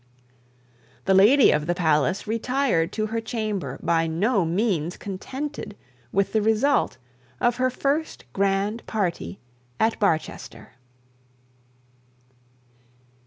The lady of the palace retired to her chamber by no means contented with the result of her first grand party at Barchester.